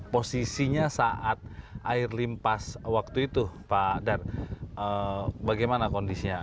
posisinya saat air limpas waktu itu pak dar bagaimana kondisinya